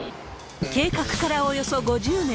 計画からおよそ５０年。